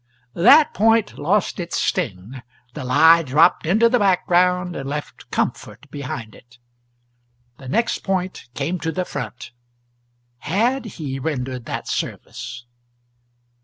That point lost its sting the lie dropped into the background and left comfort behind it. The next point came to the front: had he rendered that service?